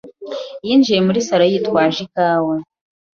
yinjiye muri salo, yitwaje ikawa.